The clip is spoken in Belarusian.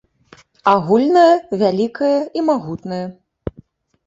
Агульнае, вялікае і магутнае.